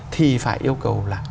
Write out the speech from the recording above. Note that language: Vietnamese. thì phải yêu cầu là